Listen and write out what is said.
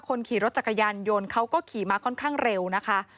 คนขี่รถจักรยานยนต์เขาก็ขี่มาค่อนข้างเร็วนะคะ